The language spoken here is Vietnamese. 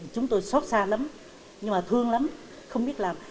chúng tôi xót xa lắm nhưng mà thương lắm không biết làm